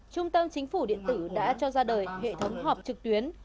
trung tâm chính phủ điện tử đã cho ra đời hệ thống họp trực tuyến